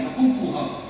nó không phù hợp